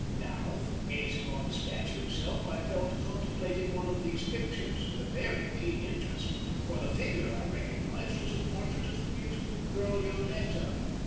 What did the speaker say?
Now, from gazing on the statue itself I fell to contemplating one of these pictures with a very keen interest, for the figure, I recognized, was a portrait of the beautiful girl Yoletta.